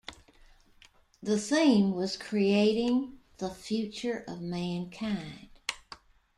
The theme was Creating the future of mankind.